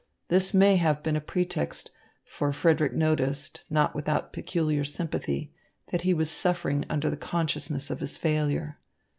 This may have been a pretext, for Frederick noticed, not without peculiar sympathy, that he was suffering under the consciousness of his failure.